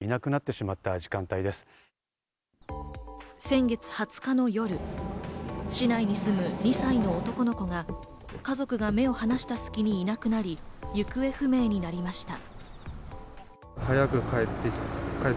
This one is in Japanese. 先月２０日の夜、市内に住む２歳の男の子が家族が目を離した隙にいなくなり、行方不明になりました。